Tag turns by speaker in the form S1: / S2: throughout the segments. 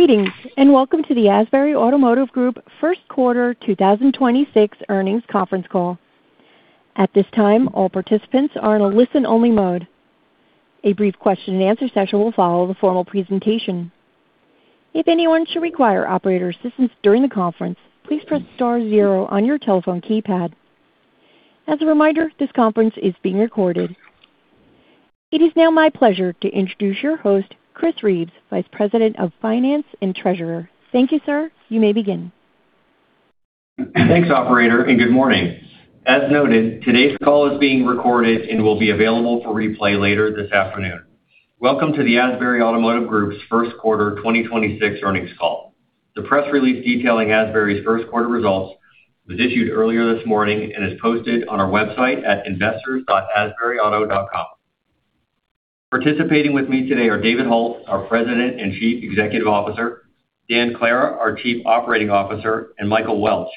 S1: Greetings, welcome to the Asbury Automotive Group First Quarter 2026 earnings conference call. At this time, all participants are in a listen-only mode. A brief question-and-answer session will follow the formal presentation. If anyone should require operator assistance during the conference, please press star zero on your telephone keypad. As a reminder, this conference is being recorded. It is now my pleasure to introduce your host, Chris Reeves, Vice President of Finance and Treasurer. Thank you, sir. You may begin.
S2: Thanks, operator. Good morning. As noted, today's call is being recorded and will be available for replay later this afternoon. Welcome to the Asbury Automotive Group's first quarter 2026 earnings call. The press release detailing Asbury's first quarter results was issued earlier this morning and is posted on our website at investors.asburyauto.com. Participating with me today are David Hult, our President and Chief Executive Officer; Dan Clara, our Chief Operating Officer; and Michael Welch,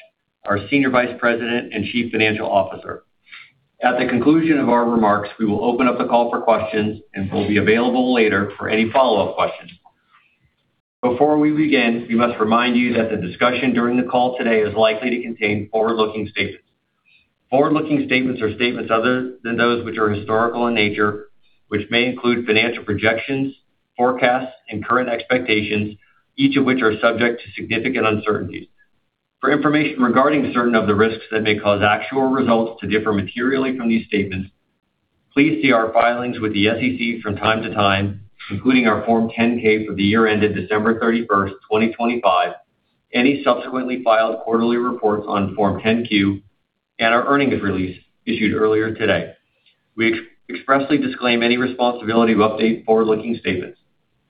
S2: our Senior Vice President and Chief Financial Officer. At the conclusion of our remarks, we will open up the call for questions and will be available later for any follow-up questions. Before we begin, we must remind you that the discussion during the call today is likely to contain forward-looking statements. Forward-looking statements are statements other than those which are historical in nature, which may include financial projections, forecasts, and current expectations, each of which are subject to significant uncertainties. For information regarding certain of the risks that may cause actual results to differ materially from these statements, please see our filings with the SEC from time to time, including our Form 10-K for the year ended December 31st, 2025, any subsequently filed quarterly reports on Form 10-Q, and our earnings release issued earlier today. We expressly disclaim any responsibility to update forward-looking statements.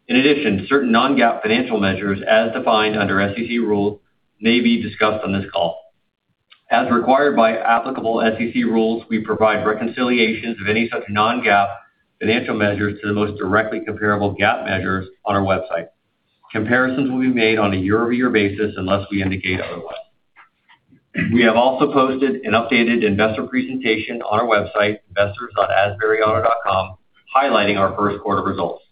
S2: In addition, certain non-GAAP financial measures as defined under SEC rules may be discussed on this call. As required by applicable SEC rules, we provide reconciliations of any such non-GAAP financial measures to the most directly comparable GAAP measures on our website. Comparisons will be made on a year-over-year basis unless we indicate otherwise. We have also posted an updated investor presentation on our website, investors.asburyauto.com, highlighting our first quarter results.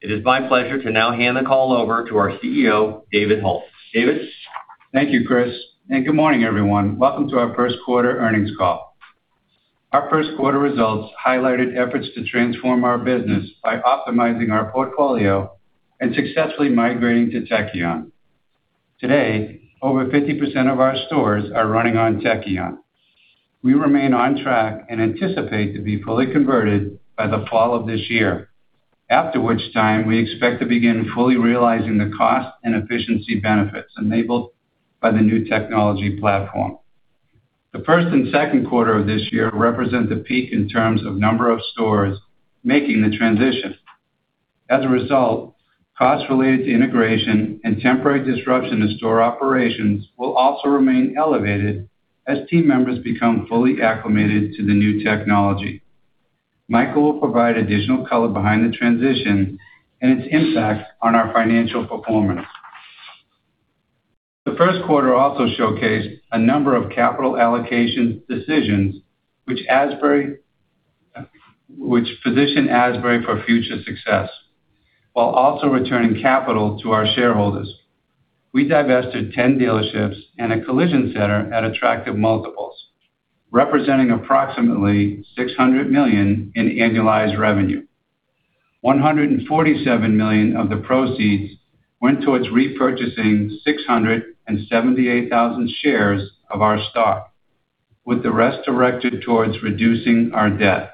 S2: It is my pleasure to now hand the call over to our CEO, David Hult. David?
S3: Thank you, Chris, and good morning, everyone. Welcome to our first quarter earnings call. Our first quarter results highlighted efforts to transform our business by optimizing our portfolio and successfully migrating to Tekion. Today, over 50% of our stores are running on Tekion. We remain on track and anticipate to be fully converted by the fall of this year. After which time, we expect to begin fully realizing the cost and efficiency benefits enabled by the new technology platform. The first and second quarter of this year represent the peak in terms of number of stores making the transition. As a result, costs related to integration and temporary disruption to store operations will also remain elevated as team members become fully acclimated to the new technology. Michael will provide additional color behind the transition and its impact on our financial performance. The first quarter also showcased a number of capital allocation decisions which position Asbury for future success, while also returning capital to our shareholders. We divested 10 dealerships and a collision center at attractive multiples, representing approximately $600 million in annualized revenue. $147 million of the proceeds went towards repurchasing 678,000 shares of our stock, with the rest directed towards reducing our debt.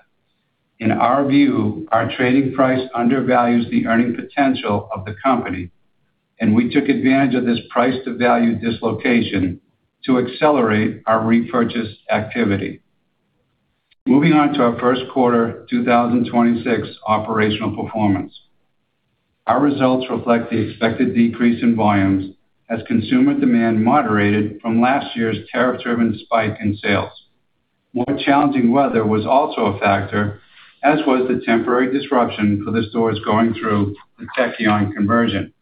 S3: In our view, our trading price undervalues the earning potential of the company, we took advantage of this price-to-value dislocation to accelerate our repurchase activity. Moving on to our first quarter 2026 operational performance. Our results reflect the expected decrease in volumes as consumer demand moderated from last year's tariff-driven spike in sales. More challenging weather was also a factor, as was the temporary disruption for the stores going through the Tekion conversion.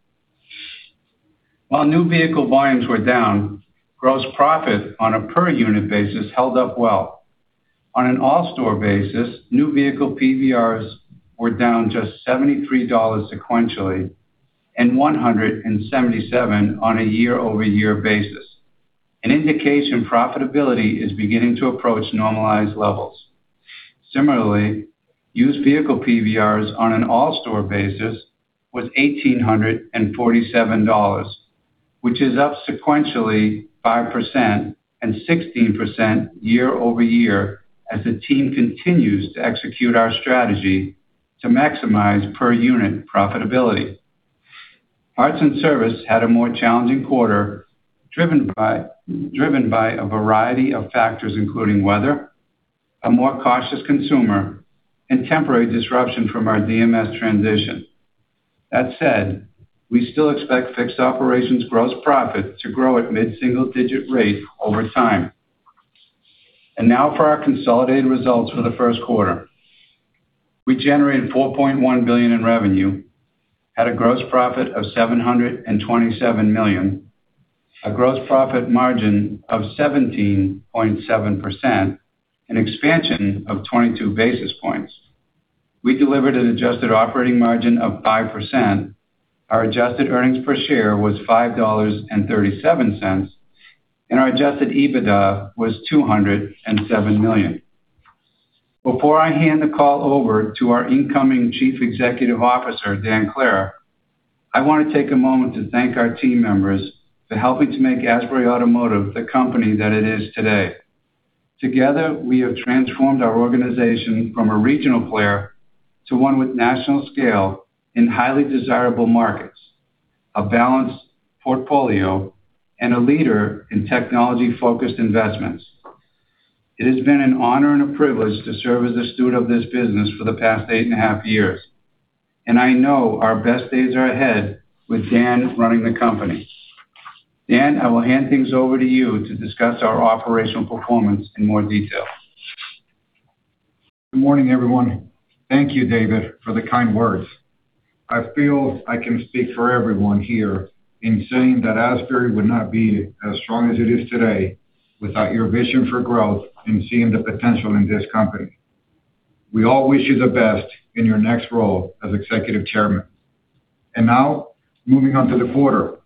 S3: While new vehicle volumes were down, gross profit on a per unit basis held up well. On an all-store basis, new vehicle PVRs were down just $73 sequentially and $177 on a year-over-year basis, an indication profitability is beginning to approach normalized levels. Similarly, used vehicle PVRs on an all-store basis was $1,847, which is up sequentially 5% and 16% year-over-year as the team continues to execute our strategy to maximize per unit profitability. Parts and service had a more challenging quarter, driven by a variety of factors, including weather, a more cautious consumer, and temporary disruption from our DMS transition. That said, we still expect fixed operations gross profit to grow at mid-single digit rate over time. Now for our consolidated results for the first quarter. We generated $4.1 billion in revenue, had a gross profit of $727 million. A gross profit margin of 17.7%, an expansion of 22 basis points. We delivered an adjusted operating margin of 5%. Our adjusted earnings per share was $5.37, and our adjusted EBITDA was $207 million. Before I hand the call over to our incoming Chief Executive Officer, Dan Clara, I wanna take a moment to thank our team members for helping to make Asbury Automotive the company that it is today. Together, we have transformed our organization from a regional player to one with national scale in highly desirable markets, a balanced portfolio, and a leader in technology-focused investments. It has been an honor and a privilege to serve as a steward of this business for the past eight and a half years, and I know our best days are ahead with Dan running the company. Dan, I will hand things over to you to discuss our operational performance in more detail.
S4: Good morning, everyone. Thank you, David, for the kind words. I feel I can speak for everyone here in saying that Asbury would not be as strong as it is today without your vision for growth in seeing the potential in this company. We all wish you the best in your next role as Executive Chairman. Now moving on to the quarter.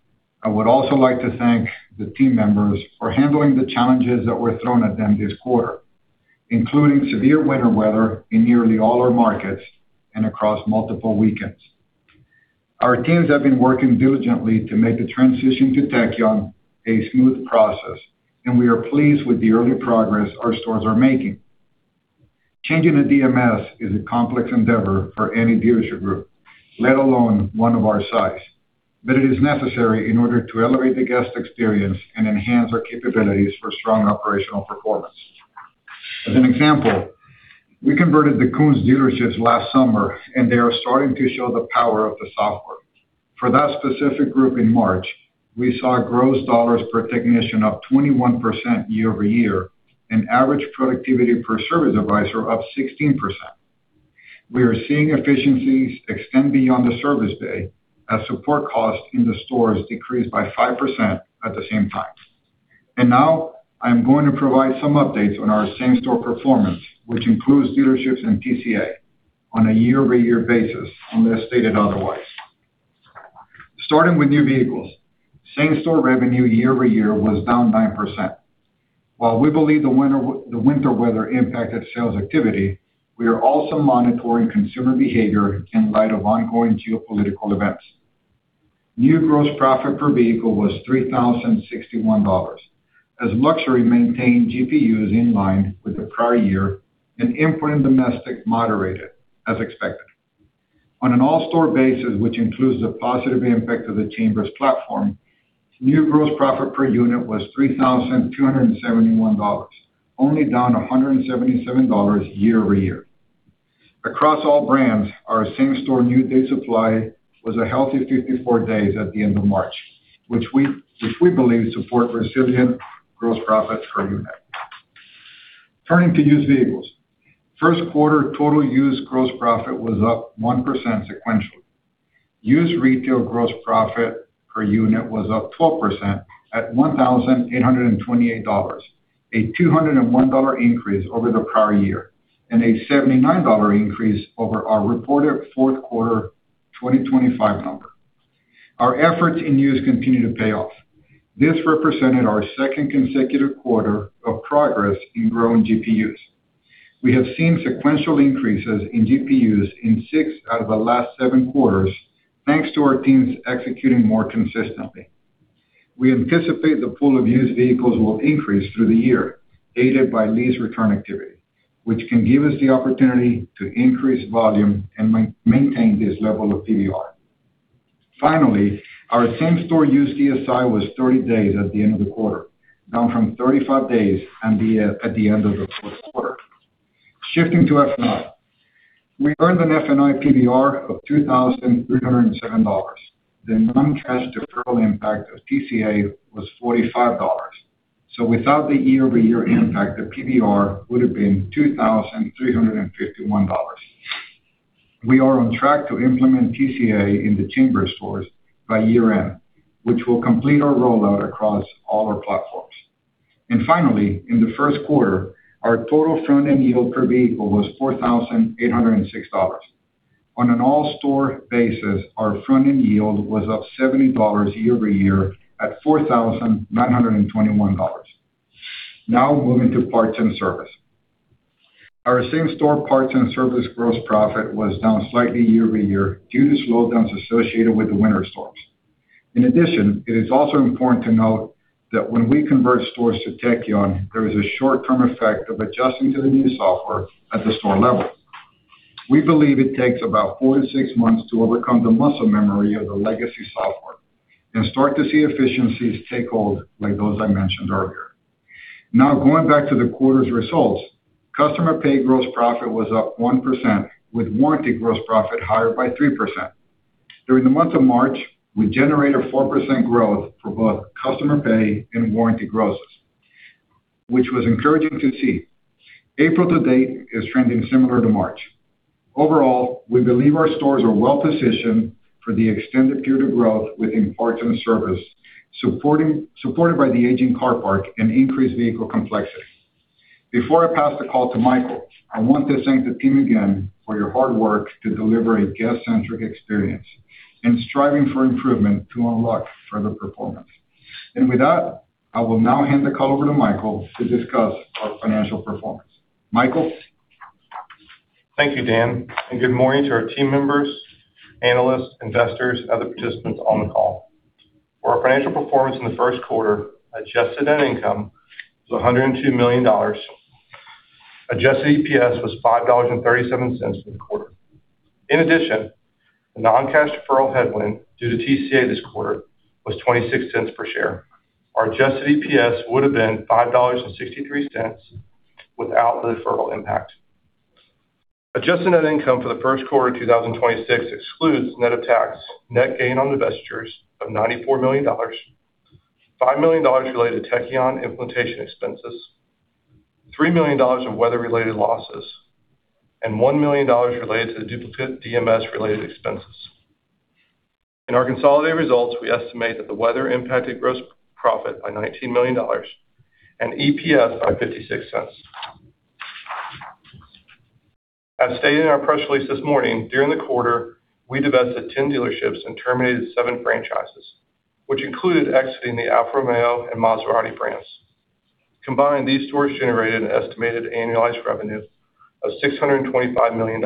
S4: I would also like to thank the team members for handling the challenges that were thrown at them this quarter, including severe winter weather in nearly all our markets and across multiple weekends. Our teams have been working diligently to make the transition to Tekion a smooth process, and we are pleased with the early progress our stores are making. Changing the DMS is a complex endeavor for any dealership group, let alone one of our size, but it is necessary in order to elevate the guest experience and enhance our capabilities for strong operational performance. As an example, we converted the Koons dealerships last summer, and they are starting to show the power of the software. For that specific group in March, we saw gross dollars per technician up 21% year-over-year and average productivity per service advisor up 16%. We are seeing efficiencies extend beyond the service day as support costs in the stores decreased by 5% at the same time. Now I'm going to provide some updates on our same-store performance, which includes dealerships in TCA on a year-over-year basis, unless stated otherwise. Starting with new vehicles, same-store revenue year-over-year was down 9%. While we believe the winter weather impacted sales activity, we are also monitoring consumer behavior in light of ongoing geopolitical events. New gross profit per vehicle was $3,061, as luxury maintained GPUs in line with the prior year and import and domestic moderated as expected. On an all store basis, which includes the positive impact of the Chambers platform, new gross profit per unit was $3,271, only down $177 year-over-year. Across all brands, our same-store new day supply was a healthy 54 days at the end of March, which we believe support resilient gross profits per unit. Turning to used vehicles. First quarter total used gross profit was up 1% sequentially. Used retail gross profit per unit was up 12% at $1,828, a $201 increase over the prior year and a $79 increase over our reported fourth quarter 2025 number. Our efforts in used continue to pay off. This represented our second consecutive quarter of progress in growing GPUs. We have seen sequential increases in GPUs in six out of the last 7 quarters, thanks to our teams executing more consistently. We anticipate the pool of used vehicles will increase through the year, aided by lease return activity, which can give us the opportunity to increase volume and maintain this level of PVR. Finally, our same-store used DSI was 30 days at the end of the quarter, down from 35 days at the end of the fourth quarter. Shifting to F&I. We earned an F&I PVR of $2,307. The non-cash deferral impact of TCA was $45. Without the year-over-year impact, the PVR would have been $2,351. We are on track to implement TCA in the Chambers stores by year-end, which will complete our rollout across all our platforms. Finally, in the first quarter, our total front-end yield per vehicle was $4,806. On an all store basis, our front-end yield was up $70 year-over-year at $4,921. Moving to parts and service. Our same-store parts and service gross profit was down slightly year-over-year due to slowdowns associated with the winter storms. In addition, it is also important to note that when we convert stores to Tekion, there is a short-term effect of adjusting to the new software at the store level. We believe it takes about four to six months to overcome the muscle memory of the legacy software and start to see efficiencies take hold like those I mentioned earlier. Going back to the quarter's results, Customer Pay gross profit was up 1%, with warranty gross profit higher by 3%. During the month of March, we generated 4% growth for both Customer Pay and warranty grosses, which was encouraging to see. April to date is trending similar to March. Overall, we believe our stores are well-positioned for the extended period of growth within parts and service, supported by the aging car park and increased vehicle complexity. Before I pass the call to Michael, I want to thank the team again for your hard work to deliver a guest-centric experience and striving for improvement to unlock further performance. With that, I will now hand the call over to Michael to discuss our financial performance. Michael?
S5: Thank you, Dan, good morning to our team members, analysts, investors, and other participants on the call. For our financial performance in the first quarter, adjusted net income was $102 million. Adjusted EPS was $5.37 for the quarter. In addition, the non-cash deferral headwind due to TCA this quarter was $0.26 per share. Our adjusted EPS would have been $5.63 without the deferral impact. Adjusted net income for the first quarter of 2026 excludes net of tax, net gain on divestitures of $94 million, $5 million related to Tekion implementation expenses, $3 million of weather-related losses, and $1 million related to the duplicate DMS-related expenses. In our consolidated results, we estimate that the weather impacted gross profit by $19 million and EPS by $0.56. As stated in our press release this morning, during the quarter, we divested 10 dealerships and terminated seven franchises, which included exiting the Alfa Romeo and Maserati brands. Combined, these stores generated an estimated annualized revenue of $625 million.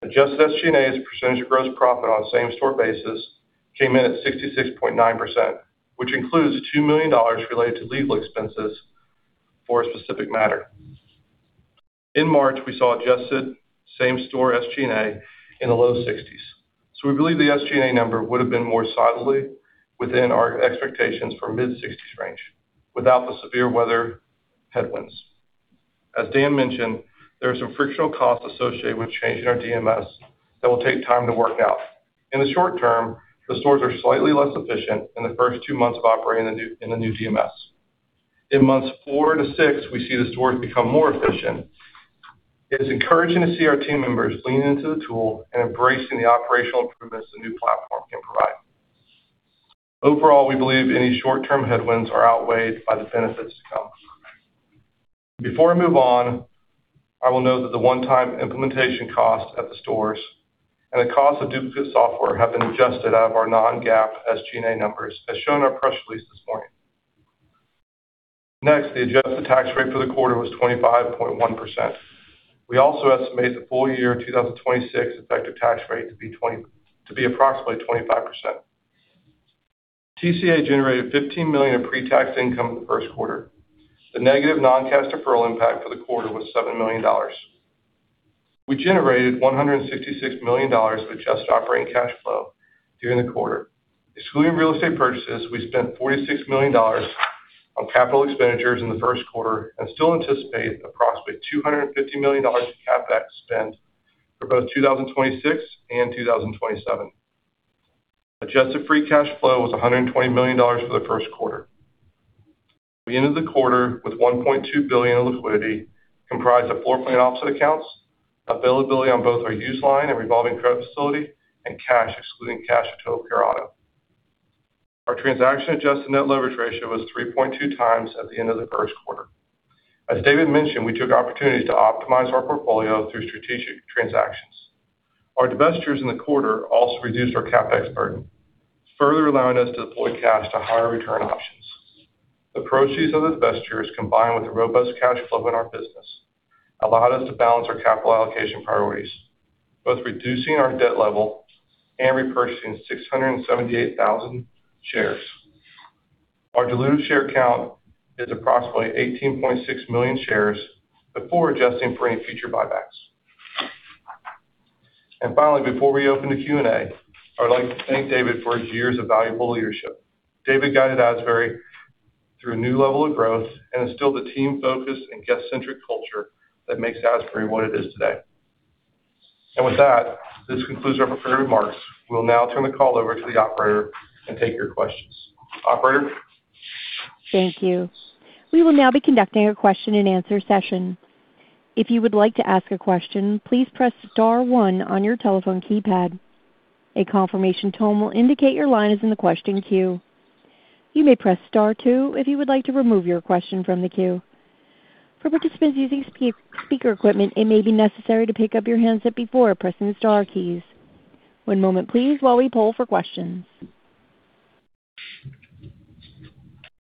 S5: Adjusted SG&A as a percentage of gross profit on a same-store basis came in at 66.9%, which includes $2 million related to legal expenses for a specific matter. In March, we saw adjusted same-store SG&A in the low 60s. We believe the SG&A number would have been more solidly within our expectations for mid-60s range without the severe weather headwinds. As Dan mentioned, there are some frictional costs associated with changing our DMS that will take time to work out. In the short term, the stores are slightly less efficient in the first two months of operating in the new DMS. In months four to six, we see the stores become more efficient. It is encouraging to see our team members leaning into the tool and embracing the operational improvements the new platform can provide. Overall, we believe any short-term headwinds are outweighed by the benefits to come. Before I move on, I will note that the one-time implementation cost at the stores and the cost of duplicate software have been adjusted out of our non-GAAP SG&A numbers, as shown in our press release this morning. Next, the adjusted tax rate for the quarter was 25.1%. We also estimate the full year 2026 effective tax rate to be approximately 25%. TCA generated $15 million of pre-tax income in the first quarter. The negative non-cash deferral impact for the quarter was $7 million. We generated $166 million of adjusted operating cash flow during the quarter. Excluding real estate purchases, we spent $46 million on capital expenditures in the first quarter and still anticipate approximately $250 million in CapEx spend for both 2026 and 2027. Adjusted free cash flow was $120 million for the first quarter. We ended the quarter with $1.2 billion in liquidity, comprised of floor plan offset accounts, availability on both our use line and revolving credit facility, and cash excluding cash at Total Care Auto. Our transaction-adjusted net leverage ratio was 3.2x at the end of the first quarter. As David mentioned, we took opportunities to optimize our portfolio through strategic transactions. Our divestitures in the quarter also reduced our CapEx burden, further allowing us to deploy cash to higher return options. The proceeds of the divestitures, combined with the robust cash flow in our business, allowed us to balance our capital allocation priorities, both reducing our debt level and repurchasing 678,000 shares. Our dilutive share count is approximately 18.6 million shares before adjusting for any future buybacks. Finally, before we open to Q&A, I would like to thank David for his years of valuable leadership. David guided Asbury through a new level of growth and instilled a team-focused and guest-centric culture that makes Asbury what it is today. With that, this concludes our prepared remarks. We'll now turn the call over to the operator and take your questions. Operator?
S1: Thank you. We will now be conducting a question-and-answer session. If you would like to ask a question, please press star one on your telephone keypad.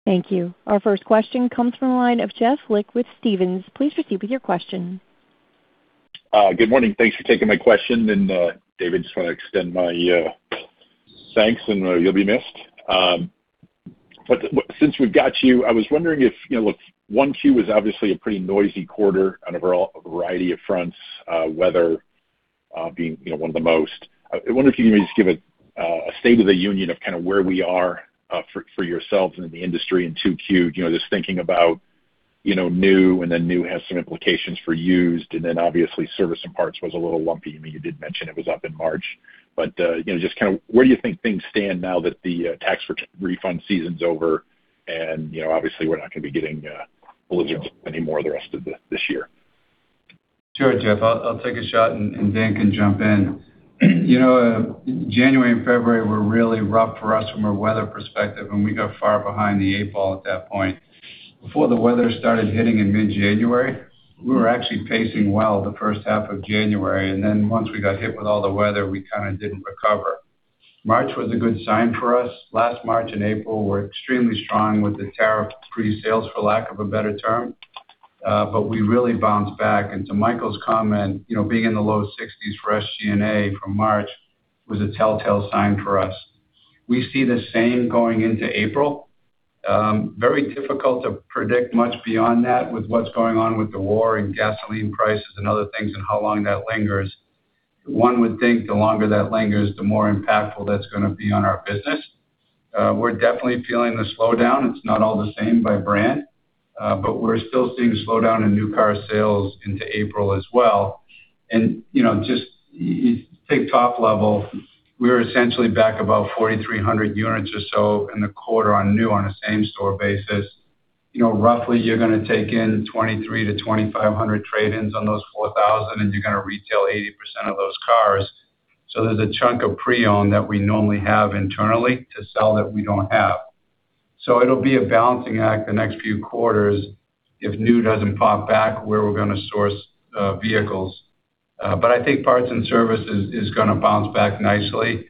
S1: Thank you. Our first question comes from the line of Jeff Lick with Stephens. Please proceed with your question.
S6: Good morning. Thanks for taking my question. David, just wanna extend my thanks, and you'll be missed. Since we've got you, I was wondering if, you know, look, 1Q was obviously a pretty noisy quarter on a variety of fronts, weather, you know, being one of the most. I wonder if you can just give a state of the union of kind of where we are for yourselves and in the industry in 2Q. You know, just thinking about, you know, new and then new has some implications for used, and then obviously service and parts was a little lumpy. I mean, you did mention it was up in March. You know, just kinda where do you think things stand now that the tax refund season's over and, you know, obviously we're not gonna be getting balloons anymore the rest of this year?
S3: Sure, Jeff, I'll take a shot and Dan can jump in. You know, January and February were really rough for us from a weather perspective. We got far behind the eight ball at that point. Before the weather started hitting in mid-January, we were actually pacing well the first half of January. Then once we got hit with all the weather, we kinda didn't recover. March was a good sign for us. Last March and April were extremely strong with the tariff presales, for lack of a better term. We really bounced back. To Michael's comment, you know, being in the low sixties for SG&A for March was a telltale sign for us. We see the same going into April. Very difficult to predict much beyond that with what's going on with the war and gasoline prices and other things and how long that lingers. One would think the longer that lingers, the more impactful that's gonna be on our business. We're definitely feeling the slowdown. It's not all the same by brand. But we're still seeing a slowdown in new car sales into April as well. Just you take top level, we're essentially back about 4,300 units or so in the quarter on new on a same store basis. Roughly you're gonna take in 2,300-2,500 trade-ins on those 4,000, and you're gonna retail 80% of those cars. There's a chunk of pre-owned that we normally have internally to sell that we don't have. It'll be a balancing act the next few quarters if new doesn't pop back where we're gonna source vehicles. I think parts and service is gonna bounce back nicely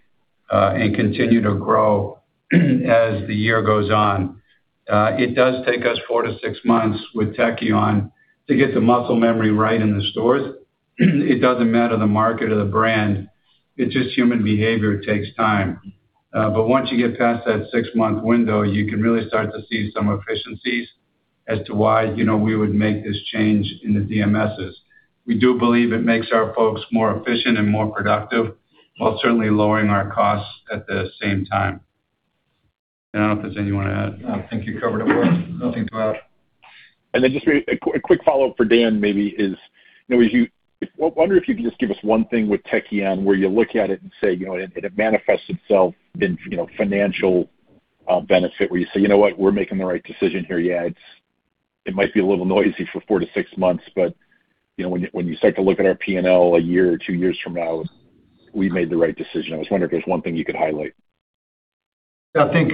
S3: and continue to grow as the year goes on. It does take us four to six months with Tekion to get the muscle memory right in the stores. It doesn't matter the market or the brand, it's just human behavior, it takes time. Once you get past that six month window, you can really start to see some efficiencies as to why, you know, we would make this change in the DMSs. We do believe it makes our folks more efficient and more productive, while certainly lowering our costs at the same time. I don't know if there's anything you wanna add.
S4: No, I think you covered it well. Nothing to add.
S6: Just a quick follow-up for Dan maybe is, you know, if you wonder if you could just give us one thing with Tekion where you look at it and say, you know, it manifests itself in, you know, financial benefit, where you say, "You know what? We're making the right decision here. Yeah, it's, it might be a little noisy for four to six months, but, you know, when you, when you start to look at our P&L one year or two years from now, we made the right decision." I was wondering if there's one thing you could highlight?
S4: I think,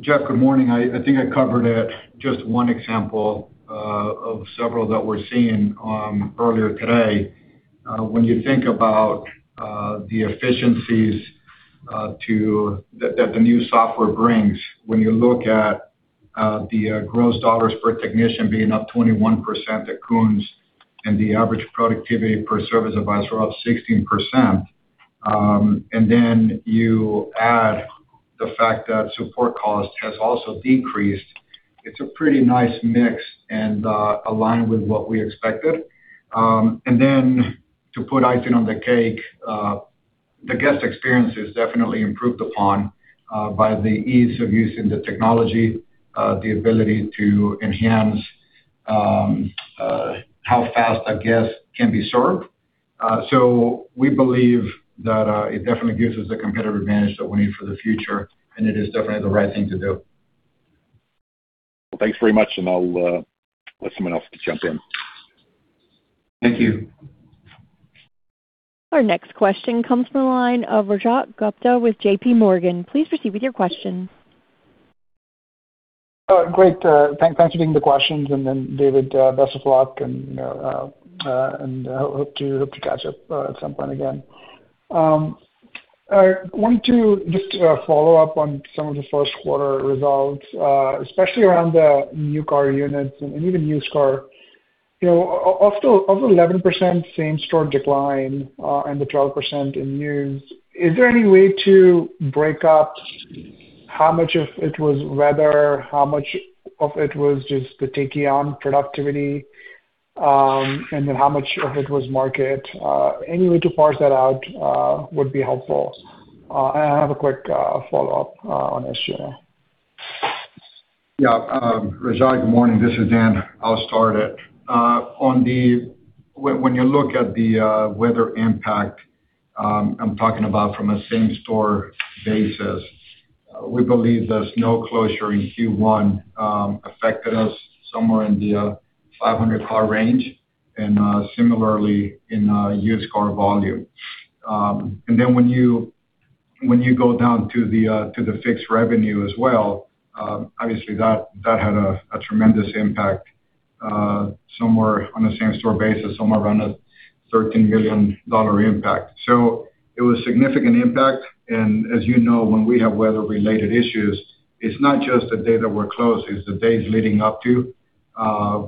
S4: Jeff, good morning. I think I covered just one example of several that we're seeing earlier today. When you think about the efficiencies that the new software brings, when you look at the gross dollars per technician being up 21% at Koons and the average productivity per service advisor up 16%, and then you add the fact that support cost has also decreased, it's a pretty nice mix and aligned with what we expected. Then to put icing on the cake, the guest experience is definitely improved upon by the ease of using the technology, the ability to enhance how fast a guest can be served. We believe that it definitely gives us a competitive advantage that we need for the future, and it is definitely the right thing to do.
S6: Well, thanks very much, and I'll let someone else jump in.
S3: Thank you.
S1: Our next question comes from the line of Rajat Gupta with JPMorgan. Please proceed with your question.
S7: Great. Thanks for taking the questions, and then David, best of luck and hope to catch up at some point again. I wanted to just follow up on some of the first quarter results, especially around the new car units and even used car. You know, of the 11% same store decline, and the 12% in new, is there any way to break up how much of it was weather, how much of it was just the Tekion productivity, and then how much of it was market? Any way to parse that out would be helpful. I have a quick follow-up on SG&A.
S4: Yeah. Rajat, good morning. This is Dan. I'll start it. When you look at the weather impact, I'm talking about from a same store basis, we believe the snow closure in Q1 affected us somewhere in the 500 car range and similarly in used car volume. Then when you go down to the fixed revenue as well, obviously that had a tremendous impact somewhere on the same store basis, somewhere around a $13 million impact. It was a significant impact. As you know, when we have weather-related issues, it's not just the day that we're closed, it's the days leading up to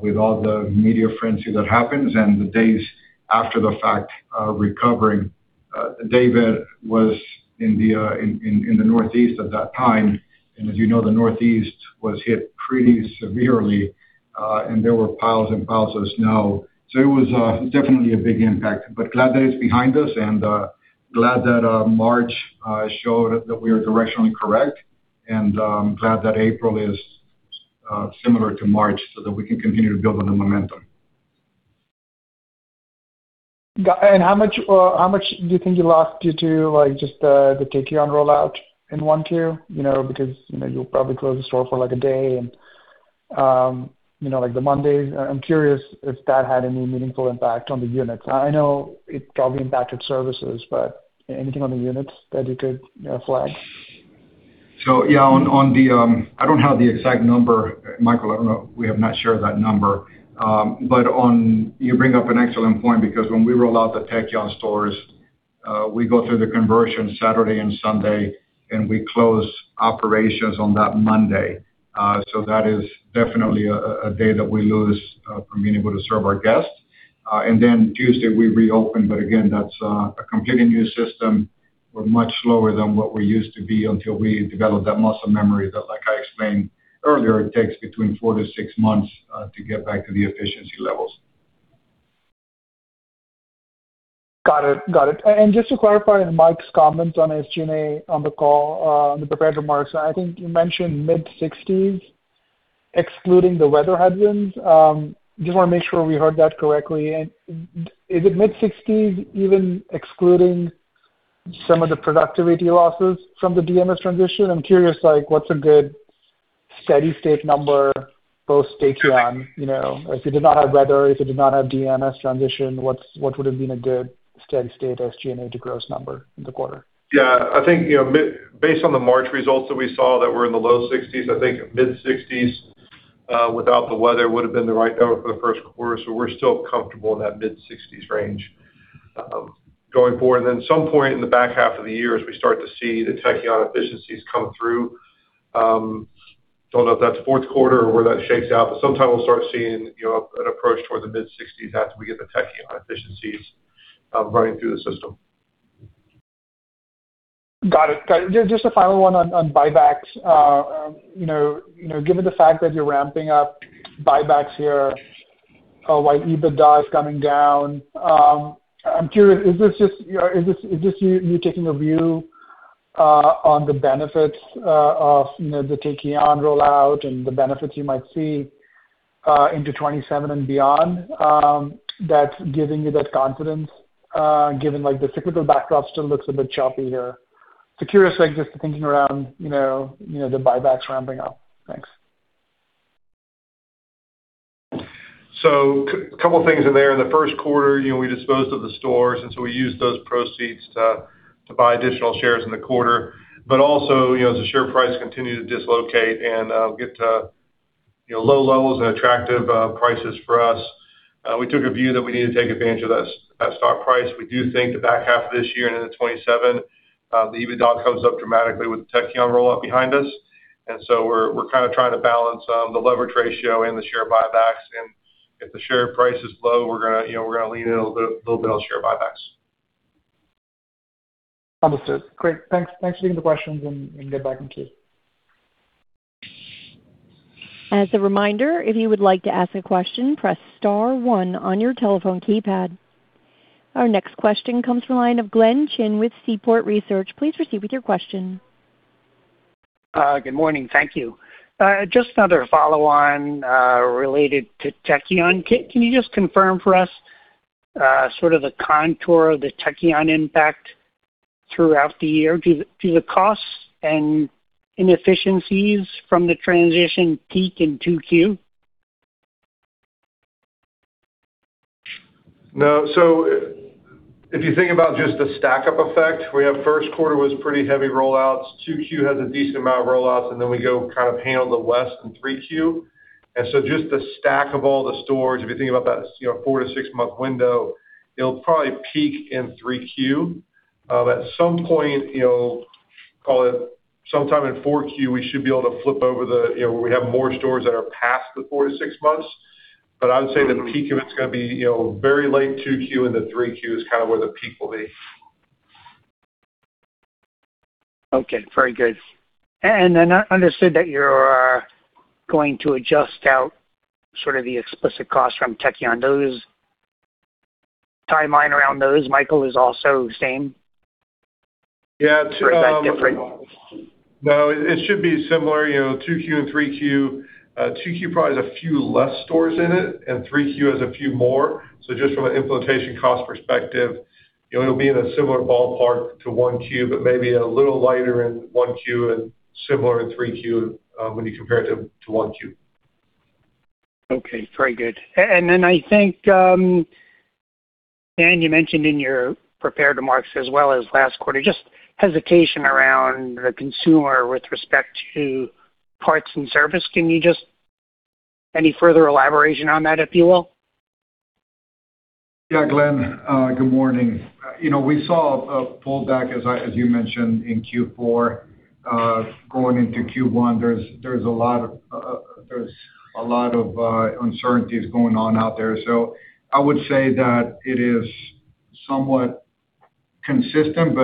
S4: with all the media frenzy that happens and the days after the fact recovering. David was in the Northeast at that time. As you know, the Northeast was hit pretty severely, and there were piles and piles of snow. It was definitely a big impact. Glad that it's behind us and glad that March showed that we are directionally correct and glad that April is similar to March so that we can continue to build on the momentum.
S7: How much, how much do you think you lost due to, like, just the Tekion rollout in 1Q? You know, because, you know, you'll probably close the store for, like, a day and, you know, like the Mondays. I'm curious if that had any meaningful impact on the units. I know it probably impacted services, but anything on the units that you could flag?
S4: I don't have the exact number. Michael, I don't know. We have not shared that number. You bring up an excellent point because when we roll out the Tekion stores, we go through the conversion Saturday and Sunday, and we close operations on that Monday. That is definitely a day that we lose from being able to serve our guests. Tuesday we reopen, but again, that's a completely new system. We're much slower than what we used to be until we develop that muscle memory that, like I explained earlier, it takes between four to six months to get back to the efficiency levels.
S7: Got it. Got it. And just to clarify Mike's comment on SG&A on the call, in the prepared remarks, I think you mentioned mid-60s excluding the weather headwinds. Just wanna make sure we heard that correctly. And is it mid-60s even excluding some of the productivity losses from the DMS transition? I'm curious, like, what's a good steady-state number post Tekion, you know? If it did not have weather, if it did not have DMS transition, what would have been a good steady-state SG&A to gross number in the quarter?
S5: Yeah. I think, you know, based on the March results that we saw that were in the low sixties, I think mid-sixties, without the weather would have been the right number for the first quarter. We're still comfortable in that mid-16 range, going forward. Some point in the back half of the year, as we start to see the Tekion efficiencies come through, don't know if that's fourth quarter or where that shakes out, but sometime we'll start seeing, you know, an approach toward the mid-sixties as we get the Tekion efficiencies, running through the system.
S7: Got it. Got it. Just a final one on buybacks. You know, given the fact that you're ramping up buybacks here, while EBITDA is coming down, I'm curious, is this just your Is this you taking a view on the benefits of, you know, the Tekion rollout and the benefits you might see into 27 and beyond, that's giving you that confidence given, like, the cyclical backdrop still looks a bit choppy here. Curious, like, just the thinking around, you know, the buybacks ramping up. Thanks.
S5: Couple things in there. In the first quarter, you know, we disposed of the stores, we used those proceeds to buy additional shares in the quarter. Also, you know, as the share price continued to dislocate and get to, you know, low levels and attractive prices for us, we took a view that we need to take advantage of that stock price. We do think the back half of this year and into 2027, the EBITDA comes up dramatically with the Tekion rollout behind us. We're, we're kinda trying to balance the leverage ratio and the share buybacks. If the share price is low, we're gonna, you know, we're gonna lean in a little bit on share buybacks.
S7: Understood. Great. Thanks. Thanks for taking the questions, and good luck in Q.
S1: As a reminder, if you would like to ask a question, press star one on your telephone keypad. Our next question comes from the line of Glenn Chin with Seaport Research. Please proceed with your question.
S8: Good morning. Thank you. Just another follow-on related to Tekion. Can you just confirm for us sort of the contour of the Tekion impact throughout the year? Do the costs and inefficiencies from the transition peak in 2Q?
S5: No. If you think about just the stack-up effect, we have first quarter was pretty heavy rollouts. 2Q has a decent amount of rollouts, and then we go kind of handle the less in 3Q. Just the stack of all the stores, if you think about that, you know, four to six month window, it'll probably peak in 3Q. At some point, you know, call it sometime in 4Q, we should be able to flip over the, you know, where we have more stores that are past the four to six months. I would say the peak of it's gonna be, you know, very late 2Q into 3Q is kind of where the peak will be.
S8: Okay, very good. I understood that you're going to adjust out sort of the explicit costs from Tekion. Those timeline around those, Michael, is also same?
S5: Yeah.
S8: Is that different?
S5: No, it should be similar, you know, 2Q and 3Q. 2Q probably has a few less stores in it, and 3Q has a few more. Just from an implementation cost perspective, you know, it'll be in a similar ballpark to 1Q, but maybe a little lighter in 1Q and similar in 3Q, when you compare it to 1Q.
S8: Okay, very good. I think Dan, you mentioned in your prepared remarks as well as last quarter, just hesitation around the consumer with respect to parts and service. Any further elaboration on that, if you will?
S4: Yeah, Glenn, good morning. You know, we saw a pullback, as you mentioned, in Q4. Going into Q1, there's a lot of uncertainties going on out there. I would say that it is somewhat consistent.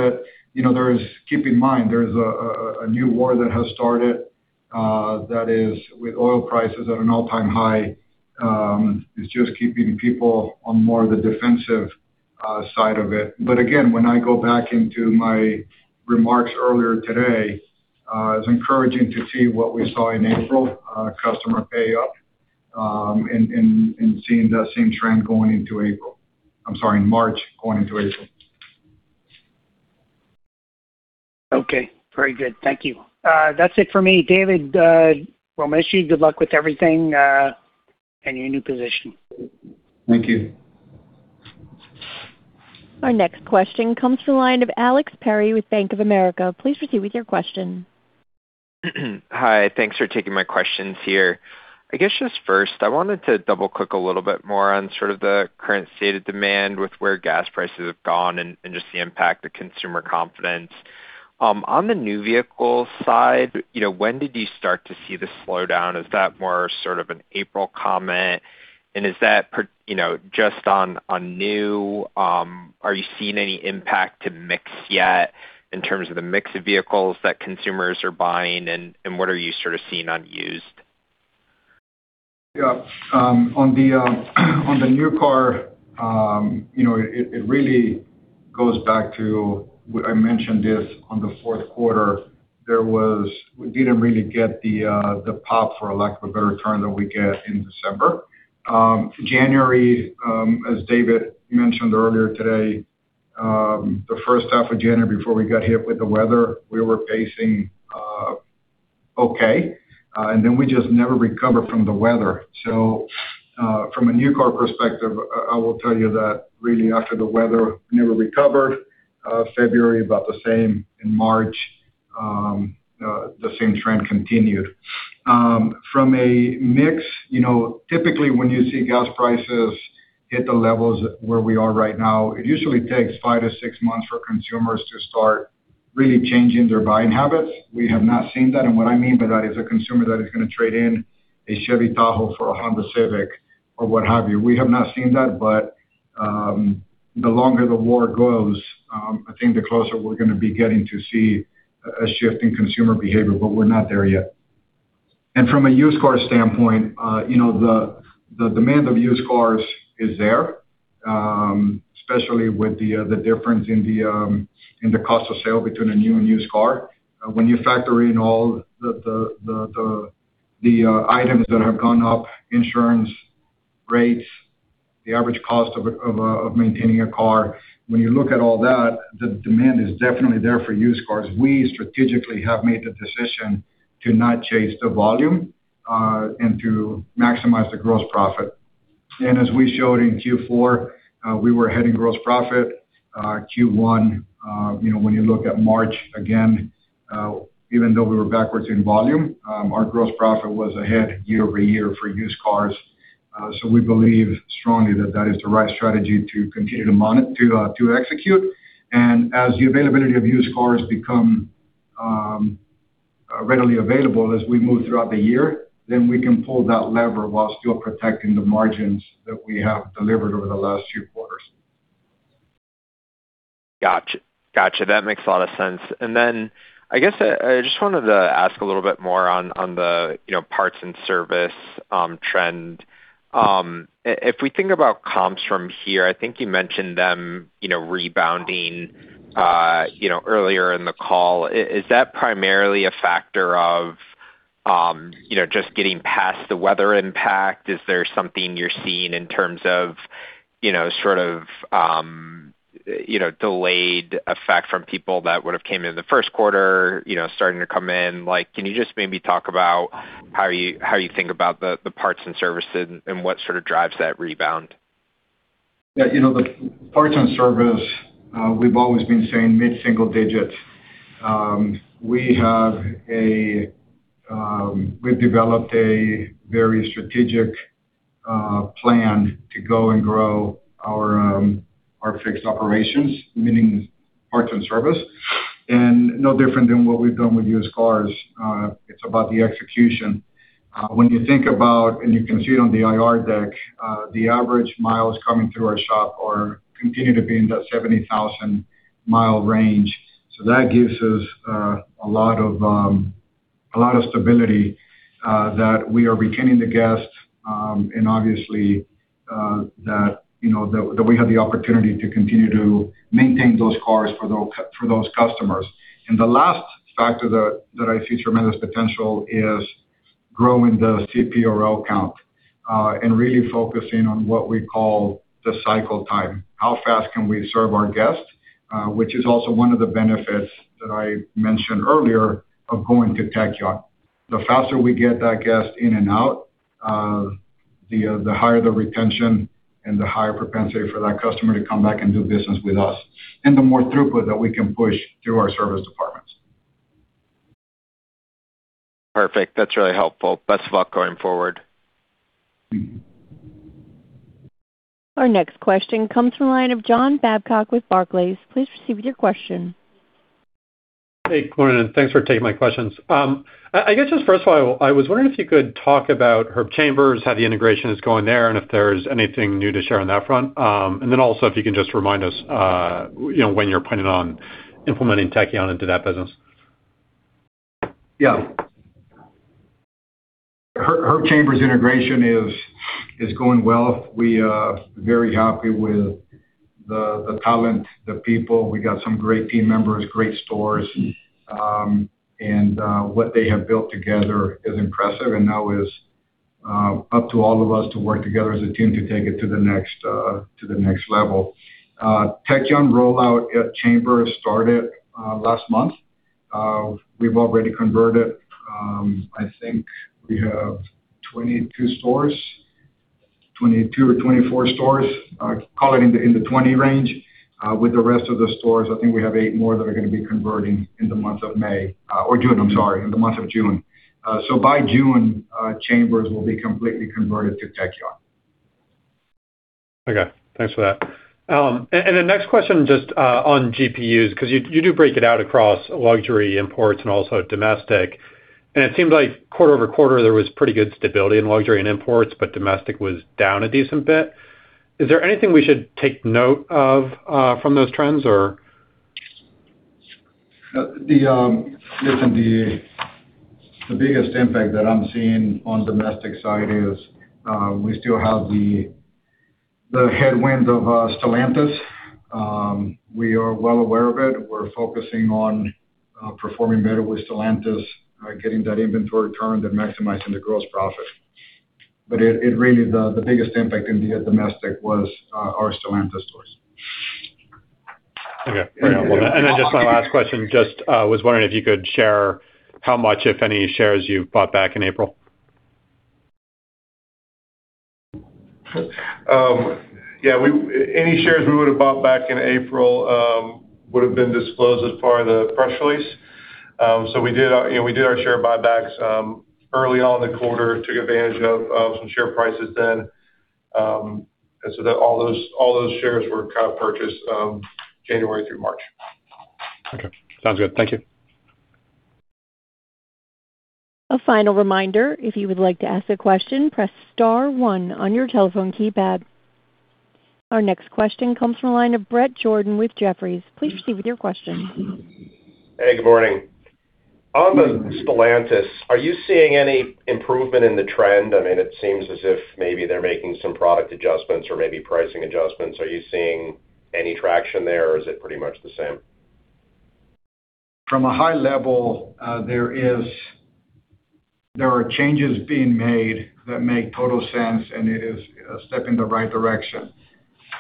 S4: You know, keep in mind, there is a new war that has started, that is with oil prices at an all-time high, is just keeping people on more of the defensive side of it. Again, when I go back into my remarks earlier today. It's encouraging to see what we saw in April, customer pay up, and seeing that same trend going into April. I'm sorry, in March going into April.
S8: Okay. Very good. Thank you. That's it for me. David, we'll miss you. Good luck with everything, and your new position.
S3: Thank you.
S1: Our next question comes from the line of Alexander Perry with Bank of America. Please proceed with your question.
S9: Hi, thanks for taking my questions here. I guess just first, I wanted to double-click a little bit more on sort of the current state of demand with where gas prices have gone and just the impact to consumer confidence. On the new vehicle side, you know, when did you start to see the slowdown? Is that more sort of an April comment? You know, just on new, are you seeing any impact to mix yet in terms of the mix of vehicles that consumers are buying, and what are you sort of seeing on used?
S4: Yeah. On the new car, you know, it really goes back to what I mentioned this on the fourth quarter, we didn't really get the pop, for lack of a better term, that we get in December. January, as David mentioned earlier today, the first half of January before we got hit with the weather, we were pacing okay, and then we just never recovered from the weather. From a new car perspective, I will tell you that really after the weather never recovered, February about the same, in March, the same trend continued. From a mix, you know, typically when you see gas prices hit the levels where we are right now, it usually takes five to six months for consumers to start really changing their buying habits. We have not seen that, what I mean by that is a consumer that is gonna trade in a Chevrolet Tahoe for a Honda Civic or what have you. We have not seen that, the longer the war goes, I think the closer we're gonna be getting to see a shift in consumer behavior, but we're not there yet. From a used car standpoint, you know, the demand of used cars is there, especially with the difference in the cost of sale between a new and used car. When you factor in all the items that have gone up, insurance rates, the average cost of maintaining a car. When you look at all that, the demand is definitely there for used cars. We strategically have made the decision to not chase the volume and to maximize the gross profit. As we showed in Q4, we were heading gross profit. Q1, you know, when you look at March, again, even though we were backwards in volume, our gross profit was ahead year-over-year for used cars. We believe strongly that that is the right strategy to continue to execute. As the availability of used cars become readily available as we move throughout the year, then we can pull that lever while still protecting the margins that we have delivered over the last few quarters.
S9: Gotcha. Gotcha. That makes a lot of sense. I guess, I just wanted to ask a little bit more on the, you know, parts and service trend. If we think about comps from here, I think you mentioned them, you know, rebounding, you know, earlier in the call. Is that primarily a factor of, you know, just getting past the weather impact? Is there something you're seeing in terms of, you know, sort of, you know, delayed effect from people that would've came in the first quarter, you know, starting to come in? Can you just maybe talk about how you, how you think about the parts and services and what sort of drives that rebound?
S4: Yeah. You know, the parts and service, we've always been saying mid-single digits. We've developed a very strategic plan to go and grow our fixed operations, meaning parts and service. No different than what we've done with used cars, it's about the execution. When you think about, and you can see it on the IR deck, the average miles coming through our shop are continue to be in the 70,000 mile range. That gives us a lot of stability, that we are retaining the guests, and obviously, that, you know, that we have the opportunity to continue to maintain those cars for those customers. The last factor that I see tremendous potential is growing the CP RO count and really focusing on what we call the cycle time. How fast can we serve our guests? Which is also one of the benefits that I mentioned earlier of going to Tekion. The faster we get that guest in and out, the higher the retention and the higher propensity for that customer to come back and do business with us, and the more throughput that we can push through our service departments.
S9: Perfect. That's really helpful. Best of luck going forward.
S4: Mm-hmm.
S1: Our next question comes from the line of John Babcock with Barclays. Please proceed with your question.
S10: Hey,[operator], thanks for taking my questions. I guess just first of all, I was wondering if you could talk about Herb Chambers, how the integration is going there, and if there's anything new to share on that front. Then also if you can just remind us, you know, when you're planning on implementing Tekion into that business.
S4: Yeah. Herb Chambers integration is going well. We very happy with the talent, the people. We got some great team members, great stores. What they have built together is impressive and now is up to all of us to work together as a team to take it to the next to the next level. Tekion rollout at Herb Chambers started last month. We've already converted, I think we have 22 stores, 22 or 24 stores, call it in the 20 range. With the rest of the stores, I think we have eight more that are going to be converting in the month of May or June, I'm sorry, in the month of June. By June, Herb Chambers will be completely converted to Tekion.
S10: Okay. Thanks for that. The next question just on GPUs, 'cause you do break it out across luxury imports and also domestic, and it seems like quarter-over-quarter there was pretty good stability in luxury and imports, but domestic was down a decent bit. Is there anything we should take note of from those trends or?
S4: Listen, the biggest impact that I'm seeing on domestic side is, we still have the headwind of Stellantis. We are well aware of it. We're focusing on performing better with Stellantis, getting that inventory turned and maximizing the gross profit. It really the biggest impact in the domestic was our Stellantis stores.
S10: Okay. Great. Just my last question, just was wondering if you could share how much, if any, shares you've bought back in April?
S5: Yeah, any shares we would've bought back in April would've been disclosed as part of the press release. We did our, you know, we did our share buybacks early on in the quarter, took advantage of some share prices then. That all those, all those shares were kind of purchased January through March.
S10: Okay. Sounds good. Thank you.
S1: A final reminder, if you would like to ask a question, press star one on your telephone keypad. Our next question comes from the line of Bret Jordan with Jefferies. Please proceed with your question.
S11: Hey, good morning. On the Stellantis, are you seeing any improvement in the trend? I mean, it seems as if maybe they're making some product adjustments or maybe pricing adjustments. Are you seeing any traction there or is it pretty much the same?
S4: From a high level, there are changes being made that make total sense, and it is a step in the right direction.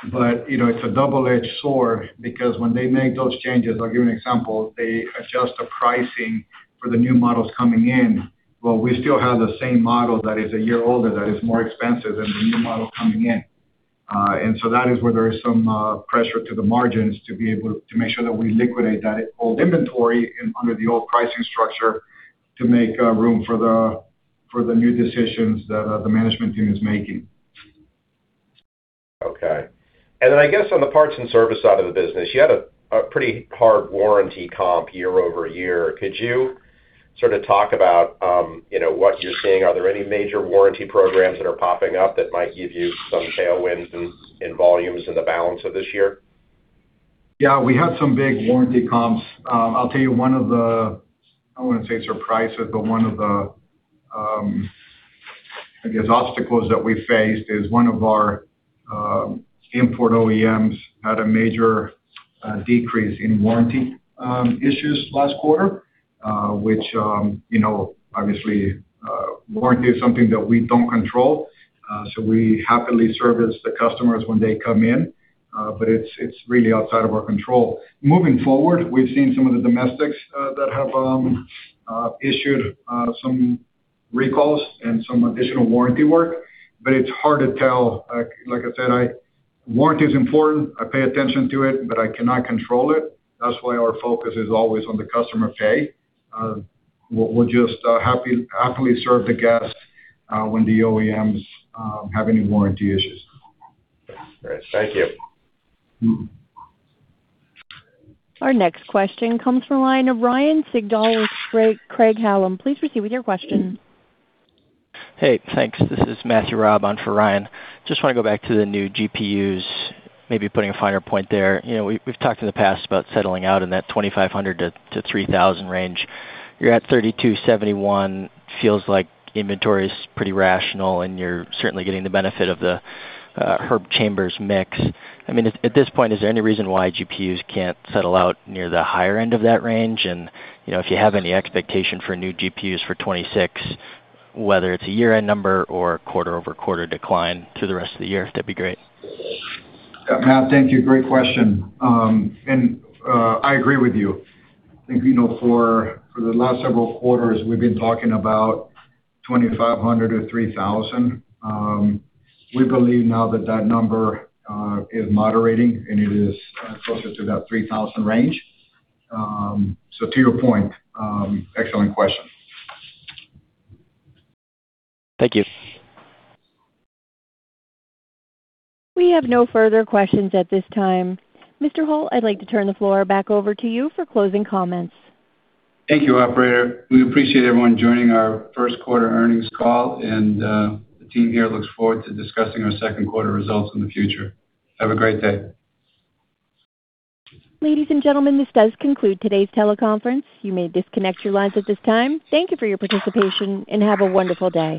S4: You know, it's a double-edged sword because when they make those changes, I'll give you an example, they adjust the pricing for the new models coming in, but we still have the same model that is a year older that is more expensive than the new model coming in. That is where there is some pressure to the margins to be able to make sure that we liquidate that old inventory in under the old pricing structure to make room for the new decisions that the management team is making.
S11: Okay. I guess on the parts and service side of the business, you had a pretty hard warranty comp year-over-year. Could you sort of talk about, you know, what you're seeing? Are there any major warranty programs that are popping up that might give you some tailwinds in volumes in the balance of this year?
S4: Yeah. We had some big warranty comps. I'll tell you one of the, I wouldn't say surprises, but one of the, I guess, obstacles that we faced is one of our import OEMs had a major decrease in warranty issues last quarter, which, you know, obviously, warranty is something that we don't control. We happily service the customers when they come in, but it's really outside of our control. Moving forward, we've seen some of the domestics that have issued some recalls and some additional warranty work, it's hard to tell. Like I said, warranty is important, I pay attention to it, I cannot control it. That's why our focus is always on the customer pay. We'll just happily serve the guest when the OEMs have any warranty issues.
S11: Great. Thank you.
S4: Mm-hmm.
S1: Our next question comes from the line of Ryan Sigdahl with Craig-Hallum. Please proceed with your question.
S12: Hey, thanks. This is Matthew Raab on for Ryan. Just wanna go back to the new GPUs, maybe putting a finer point there. You know, we've talked in the past about settling out in that $2,500 to $3,000 range. You're at $3,271. Feels like inventory's pretty rational and you're certainly getting the benefit of the Herb Chambers mix. I mean, at this point, is there any reason why GPUs can't settle out near the higher end of that range? You know, if you have any expectation for new GPUs for 2026, whether it's a year-end number or quarter-over-quarter decline to the rest of the year, that'd be great.
S5: Matt, thank you. Great question. I agree with you. I think, you know, for the last several quarters we've been talking about 2,500 or 3,000. We believe now that that number is moderating and it is closer to that 3,000 range. To your point, excellent question.
S12: Thank you.
S1: We have no further questions at this time. Mr. Hult, I'd like to turn the floor back over to you for closing comments.
S3: Thank you, operator. We appreciate everyone joining our first quarter earnings call, and the team here looks forward to discussing our second quarter results in the future. Have a great day.
S1: Ladies and gentlemen, this does conclude today's teleconference. You may disconnect your lines at this time. Thank you for your participation, and have a wonderful day.